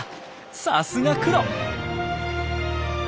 さすがクロ！